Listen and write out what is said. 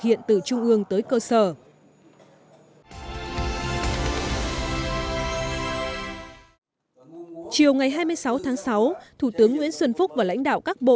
hiện từ trung ương tới cơ sở chiều ngày hai mươi sáu tháng sáu thủ tướng nguyễn xuân phúc và lãnh đạo các bộ